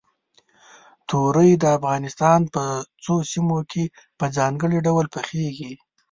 تورۍ د افغانستان په څو سیمو کې په ځانګړي ډول پخېږي.